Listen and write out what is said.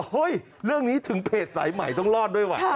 เรื่องนี้ถึงเพจสายใหม่ต้องรอดด้วยว่ะ